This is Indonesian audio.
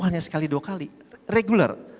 hanya sekali dua kali reguler